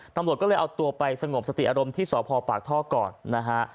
ตำรวจก็เลยเอาตัวไปสงบสติอารมณ์ที่สพปากท่อก่อนนะฮะ